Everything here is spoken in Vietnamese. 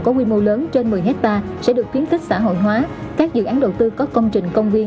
có quy mô lớn trên một mươi hectare sẽ được kiến kích xã hội hóa các dự án đầu tư có công trình công viên